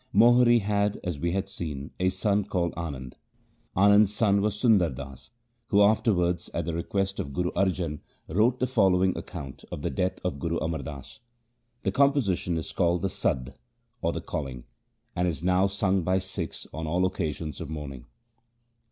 Mohri had, as we have seen, a son called Anand. Anand's son was Sundar Das, who afterwards at the request of Guru Arjan wrote the following account of the death of Guru Amar Das. The composition is called the ' Sadd ' or the ' Calling ', and is now sung by Sikhs on all occasions of mourning.